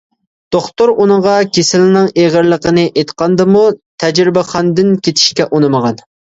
دوختۇر ئۇنىڭغا كېسىلىنىڭ ئېغىرلىقىنى ئېيتقاندىمۇ، تەجرىبىخانىدىن كېتىشكە ئۇنىمىغان.